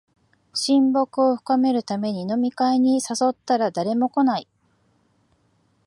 親睦を深めるために飲み会に誘ったら誰も来ない